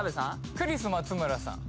クリス松村さん